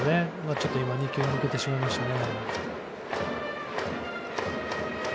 ちょっと２球抜けてしまいましたね。